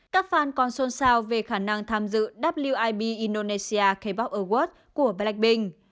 các fan còn xôn xao về khả năng tham dự wib indonesia kpop awards của blackpink